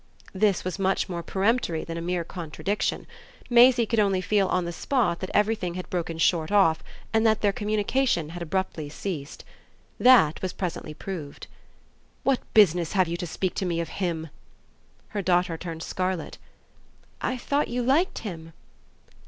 This was much more peremptory than a mere contradiction. Maisie could only feel on the spot that everything had broken short off and that their communication had abruptly ceased. That was presently proved. "What business have you to speak to me of him?" Her daughter turned scarlet. "I thought you liked him."